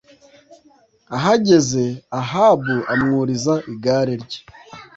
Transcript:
ahageze Ahabu amwuriza igare rye